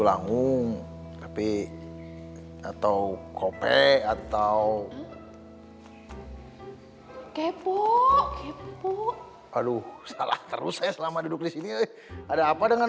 bangung tapi atau kopek atau kepo kepo aduh salah terus selama duduk di sini ada apa dengan